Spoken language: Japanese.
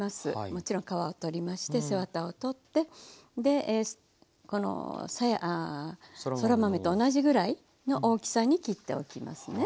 もちろん皮を取りまして背ワタを取ってでそら豆と同じぐらいの大きさに切っておきますね。